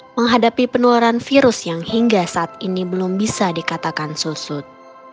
menghadapi penularan virus yang hingga saat ini belum bisa dikatakan susut